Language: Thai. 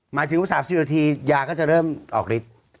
หมายถึง๓๐นาทียาก็จะเริ่มออกฤทธิ์